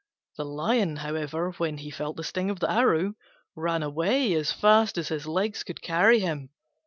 The Lion, however, when he felt the sting of the arrow, ran away as fast as his legs could carry him.